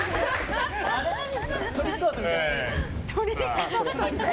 トリックアートみたい。